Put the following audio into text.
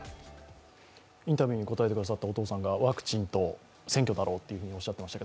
インタビューに答えてくださったお父さんが、ワクチンと選挙だろうとおっしゃっていました。